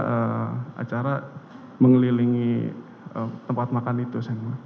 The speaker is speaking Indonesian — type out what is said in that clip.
ada acara mengelilingi tempat makan itu semua